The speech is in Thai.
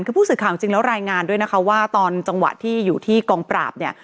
คือผู้สื่อข่าวจริงแล้วรายงานด้วยนะคะว่าตอนจังหวะที่อยู่ที่กองปราบเนี่ย